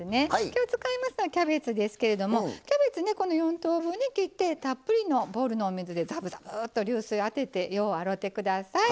きょう使いますのはキャベツですけれどもキャベツねこの４等分に切ってたっぷりのボウルのお水でザブザブと流水当ててよう洗うて下さい。